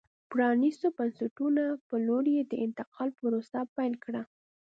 پرانیستو بنسټونو په لور یې د انتقال پروسه پیل کړه.